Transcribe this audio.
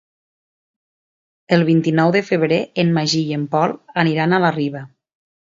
El vint-i-nou de febrer en Magí i en Pol aniran a la Riba.